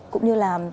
cũng như là